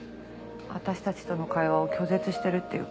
私たちとの会話を拒絶してるっていうか。